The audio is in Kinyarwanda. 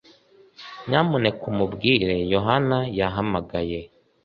nyamuneka umubwire yohana yahamagaye.